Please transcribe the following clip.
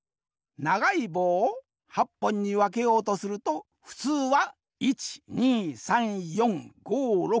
ながいぼうを８ぽんにわけようとするとふつうは１２３４５６７回きらねばならん。